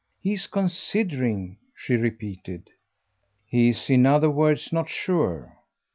He's considering," she repeated. "He's in other words not sure?"